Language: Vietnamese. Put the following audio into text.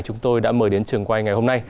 chúng tôi đã mời đến trường quay ngày hôm nay